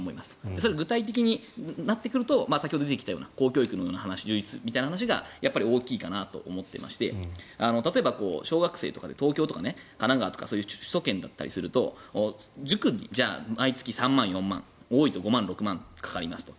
それが具体的になってくると先ほど出てきたような公教育の充実幼な話がやっぱり大きいかなと思っていまして例えば、小学生とかで東京とか神奈川とか首都圏だったりすると塾じゃ、毎月３万、４万多ければもっとかかりますと。